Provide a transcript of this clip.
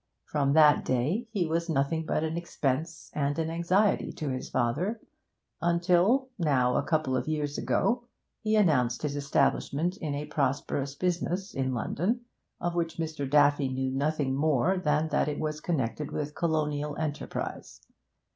From that day he was nothing but an expense and an anxiety to his father, until now a couple of years ago he announced his establishment in a prosperous business in London, of which Mr. Daffy knew nothing more than that it was connected with colonial enterprise.